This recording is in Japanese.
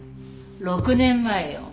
６年前よ。